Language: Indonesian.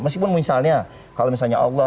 meskipun misalnya kalau misalnya allah